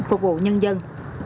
phục vụ nhân dân